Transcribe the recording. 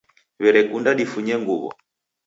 W'erekunda difunye nguw'o